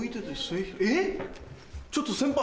えっちょっと先輩。